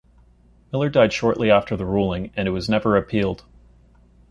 Millar died shortly after the ruling and it was never appealed.